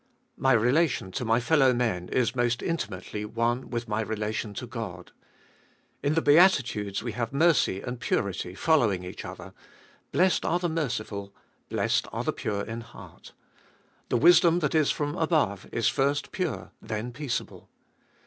My relation to my fellow men is most intimately one with my relation to God. In the Beatitudes we have mercy and purity following each other : Blessed are the merciful — Blessed are the pure in heart. The wisdom that is from above is first pure, then peaceable.